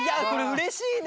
うれしい！